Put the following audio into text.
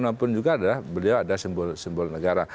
bagaimanapun juga ada beliau ada simbol negara